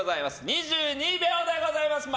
２２秒でございます。